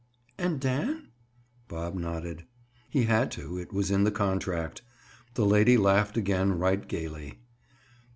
"And Dan?" Bob nodded. He had to, it was in the contract. The lady laughed again right gaily.